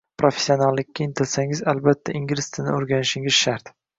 professionallikka intilsangiz albatta ingliz tilini o’rganishingiz shart